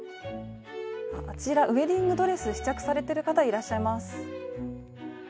こちらウエディングドレス、試着されている方がいらっしゃいます。